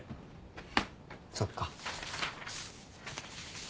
そっか。